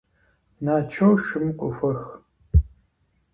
Начо шым къохуэх.